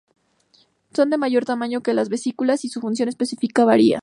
Son de mayor tamaño que las vesículas y su función específica varía.